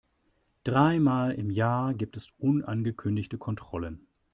Dreimal im Jahr gibt es unangekündigte Kontrollen.